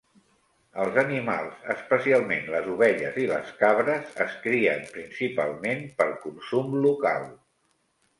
Els animals, especialment les ovelles i les cabres, es crien principalment per consum local.